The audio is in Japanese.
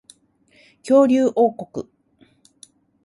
恐竜王国